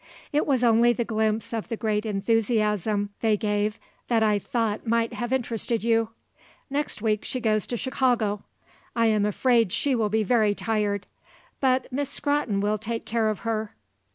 It was only the glimpse of the great enthusiasm they gave that I thought might have interested you. Next week she goes to Chicago. I am afraid she will be very tired. But Miss Scrotton will take care of her.